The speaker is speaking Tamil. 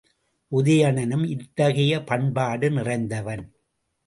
உதயணனும் இத்தகைய பண்பாடு நிறைந்தவன்.